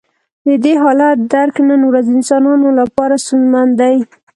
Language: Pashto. د دې حالت درک نن ورځ انسانانو لپاره ستونزمن دی.